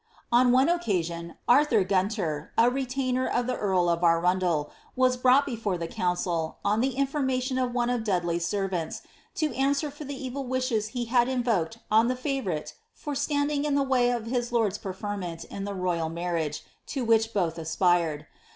On one occasion Arthur Guntor, a retainer of the Earl of Arundel, was brought before the council, on the informa tkm of one of Dudley's servants, to answer for the evil wishes he had iflfoked on the favourite for standing in the way of his lord's prefcr aent in the royal marriage, to which both aspired.